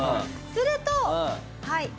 するとはい。